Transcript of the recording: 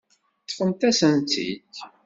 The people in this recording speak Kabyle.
Ṭṭfent-asen-tt-id.